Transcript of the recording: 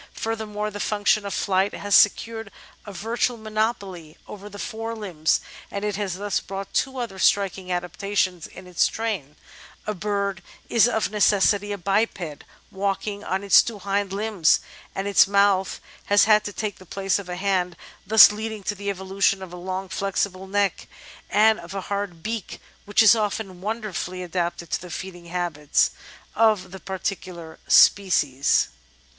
Furthermore, the func tion of flight has secured a virtual monopoly over the fore limbs, and it has thus brought two other striking adaptations in its train — a bird is of necessity a biped, walking on its two hind limbs, and its mouth has had to take the place of a hand, thus leading to the evolution of a long flexible neck, and of a hard beak which is often wonderfully adapted to the feeding habits of the particular species.